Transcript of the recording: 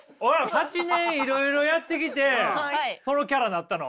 ８年いろいろやってきてそのキャラなったの？